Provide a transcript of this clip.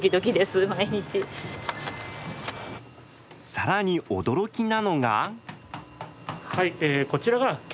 更に驚きなのが。